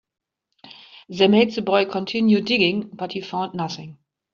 They made the boy continue digging, but he found nothing.